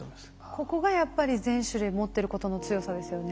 ここがやっぱり全種類持ってることの強さですよね。